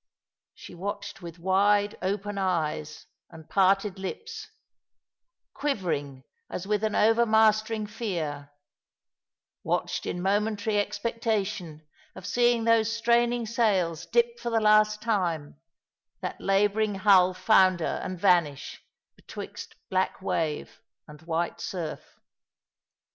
She watched with wide, open eyes, and parted lips, quivering as with an over mastering fear, watched in momentary expectation of seeing those straining sails dip for the last time, that labouring hull founder and vanish betwixt black wave and White surf.